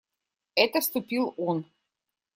Это вступил он.